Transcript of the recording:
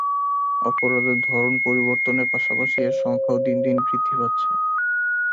অপরাধের ধরন পরিবর্তনের পাশাপাশি এর সংখ্যাও দিনদিন বৃদ্ধি পাচ্ছে।